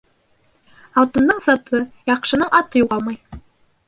Алтындың заты, яҡшының аты юғалмай.